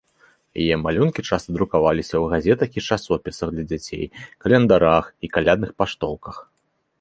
Яе малюнкі часта друкаваліся ў газетах і часопісах для дзяцей, календарах і калядных паштоўках.